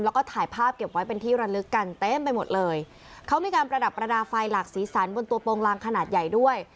แล้วก็ถ่ายภาพเก็บไว้เป็นที่ระลึกกันเต็มไปหมดเลยเขามีการประดับประดาษไฟหลากสีสันบนตัวโปรงลางขนาดใหญ่ด้วย